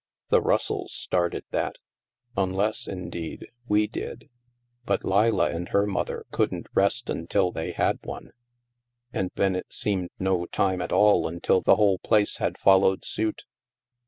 " The Russells started that. Unless, indeed, we did. But Leila and her mother couldn't rest until they had one ; and then it seemed no time at all until the whole place had followed suit.